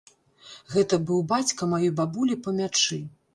Гэта быў бацька маёй бабулі па мячы.